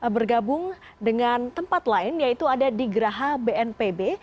bergabung dengan tempat lain yaitu ada di geraha bnpb